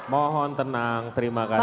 mohon tenang terima kasih